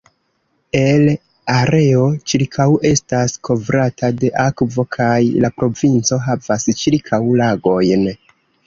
El areo ĉirkaŭ estas kovrata de akvo kaj la provinco havas ĉirkaŭ lagojn.